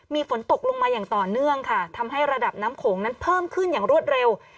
มีฝนตกลงมาอย่างต่อเนื่องค่ะทำให้ระดับน้ำโขงนั้นเพิ่มขึ้นอย่างรวดเร็ว